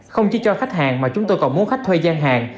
không chỉ cho khách hàng mà chúng tôi còn muốn khách thuê gian hàng